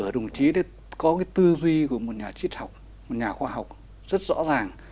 đồng chí có cái tư duy của một nhà trí học một nhà khoa học rất rõ ràng